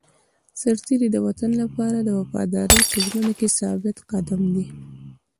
سرتېری د وطن لپاره د وفادارۍ په ژمنه کې ثابت قدم دی.